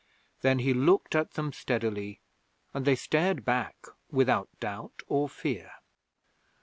Then he looked at them steadily, and they stared back without doubt or fear.